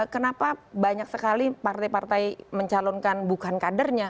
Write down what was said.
kenapa banyak sekali partai partai mencalonkan bukan kadernya